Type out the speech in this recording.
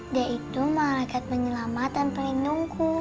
dia itu malaikat penyelamatan pelindungku